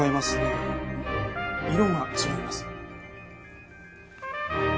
えっ？色が違います。